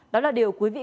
đó là điều quý vị cần